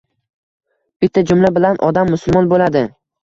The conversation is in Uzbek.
Bitta jumla bilan odam musulmon bo‘ladi